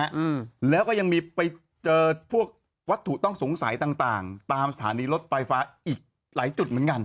อืมแล้วก็ยังมีไปเจอพวกวัตถุต้องสงสัยต่างต่างตามสถานีรถไฟฟ้าอีกหลายจุดเหมือนกัน